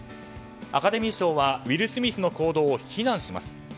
アカデミー賞はウィル・スミスの行動を非難します。